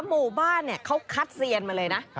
๑๓หมู่บ้านเนี่ยเขาคัดเซียนมาเลยนะ